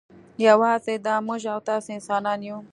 یوازې دا موږ او تاسې انسانان یو.